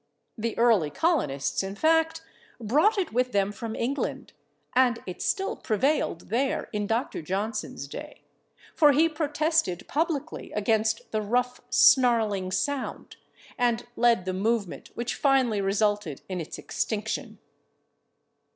The early colonists, in fact, brought it with them from England, and it still prevailed there in Dr. Johnson's day, for he protested publicly against the "rough snarling sound" and led the movement which finally resulted in its extinction.